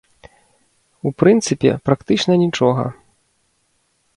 У прынцыпе, практычна нічога.